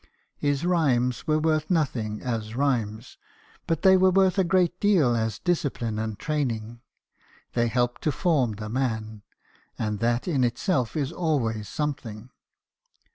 His rhymes were worth nothing as rhymes ; but they were worth a great deal as discipline and training : they helped to form the man, and that in itself is always something.